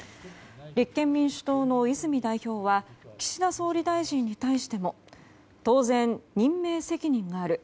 立憲民主党の泉代表は岸田総理大臣に対しても当然、任命責任がある。